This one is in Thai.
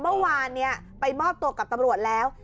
เมื่อวานไปมอบตัวกับตำรวจแล้ว